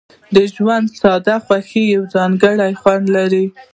د ژوند ساده خوښۍ یو ځانګړی خوند لري.